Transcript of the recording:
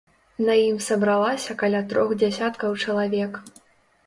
На ім сабралася каля трох дзясяткаў чалавек.